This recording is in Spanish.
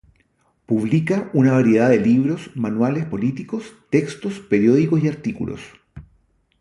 Publica una variedad de libros, manuales políticos, textos, periódicos y artículos.